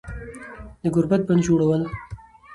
د گوربت بندجوړول